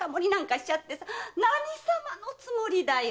何さまのつもりだよ？